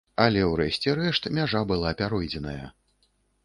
Але ў рэшце рэшт мяжа была пяройдзеная.